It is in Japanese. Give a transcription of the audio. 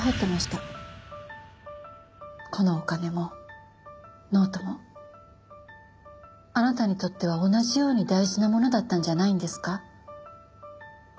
このお金もノートもあなたにとっては同じように大事なものだったんじゃないんですか？